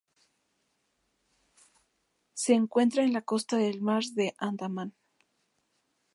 Se encuentra en las costas del mar de Andaman.